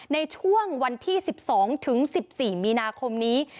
ในช่วงวันที่๑๒ถึง๑๔มีนาคมนี้